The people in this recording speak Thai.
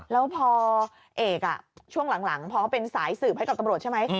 แล้วพอเอกช่วงหลังพอเขาเป็นสายสืบให้กับตำรวจใช่ไหม